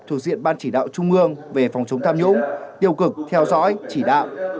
thuộc diện ban chỉ đạo trung ương về phòng chống tham nhũng tiêu cực theo dõi chỉ đạo